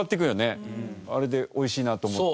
あれで美味しいなと思って。